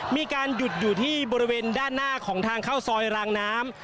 มีการหยุดอยู่ที่บริเวณด้านหน้าของทางเข้าซอยรางน้ำ